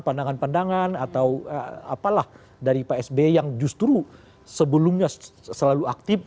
pandangan pandangan atau apalah dari pak sby yang justru sebelumnya selalu aktif